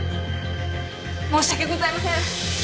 申し訳ございません！